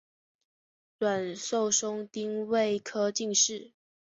阮寿松丁未科进士。